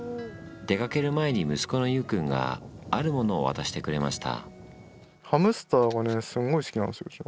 出かける前に息子の優君があるものを渡してくれました。